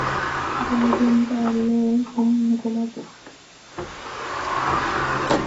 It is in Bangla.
এবং ঘুম পাড়লে ঘুমাবো।